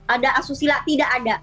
ada asusila tidak ada